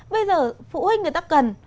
bây giờ phụ huynh người ta cần